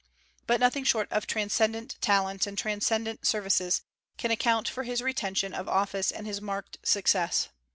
But nothing short of transcendent talents and transcendent services can account for his retention of office and his marked success.